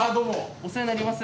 お世話になります。